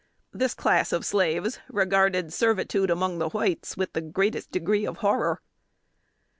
This class of slaves regarded servitude among the whites with the greatest degree of horror.